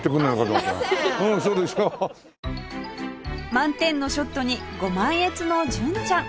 満点のショットにご満悦の純ちゃん